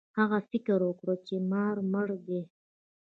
هغه فکر وکړ چې مار مړ دی.